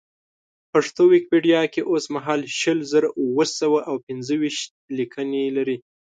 پښتو ویکیپېډیا کې اوسمهال شل زره اوه سوه او پېنځه ویشت لیکنې لري.